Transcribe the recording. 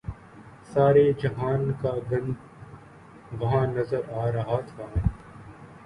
سارے جہان کا گند وہاں نظر آ رہا تھا۔